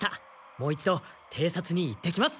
もう一度偵察に行ってきます！